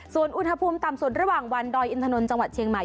ส่วนอุณหภูมิต่ำสุดระหว่างวันดอยอินทนนท์จังหวัดเชียงใหม่